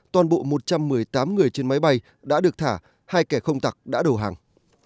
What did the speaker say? toàn bộ một trăm một mươi tám người trên máy bay đã được thả hai kẻ không tặc đã đầu hàng